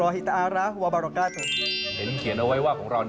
เห็นเขียนเอาไว้ว่าของเรา